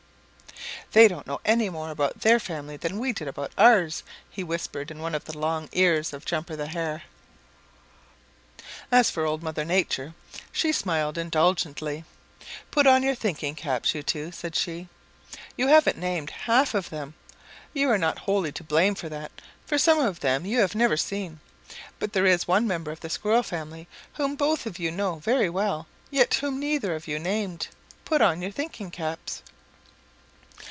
"They don't know any more about their family than we did about ours," he whispered in one of the long ears of Jumper the Hare. As for Old Mother Nature, she smiled indulgently. "Put on your thinking caps, you two," said she. "You haven't named half of them. You are not wholly to blame for that, for some of them you never have seen, but there is one member of the Squirrel family whom both of you know very well, yet whom neither of you named. Put on your thinking caps."